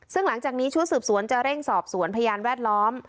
ซึ่งหลังจากนี้ชุดสืบสวนจะเร่งสอบสวนพยานแวดล้อม